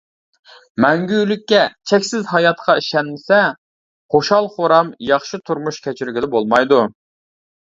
مەڭگۈلۈككە، چەكسىز ھاياتقا ئىشەنمىسە، خۇشال-خۇرام، ياخشى تۇرمۇش كەچۈرگىلى بولمايدۇ.